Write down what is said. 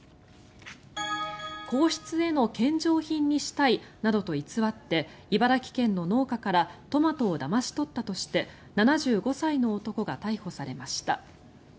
皇室への献上品にしたいなどと偽って茨城県の農家からトマトをだまし取ったとして７５歳の男が逮捕されました。